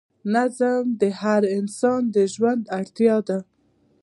نظم د هر انسان د ژوند اړتیا ده.